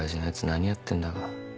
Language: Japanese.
何やってんだか。